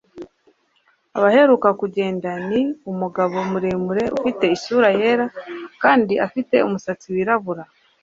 abaheruka kugenda ni umugabo muremure, ufite isura yera kandi afite umusatsi wirabura